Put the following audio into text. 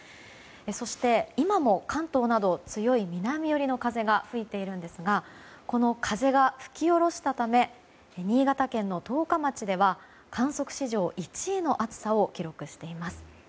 そして、今も関東など強い南寄りの風が吹いているんですがこの風が吹きおろしたため新潟県の十日町では観測史上１位の暑さを記録しています。